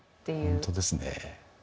本当ですねえ。